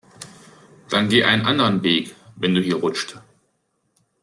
Dann geh einen anderen Weg, wenn du hier rutscht.